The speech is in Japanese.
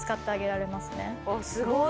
すごーい！